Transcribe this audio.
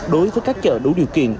đối với các chợ đủ điều kiện